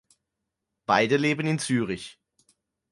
Beide leben in Zürich.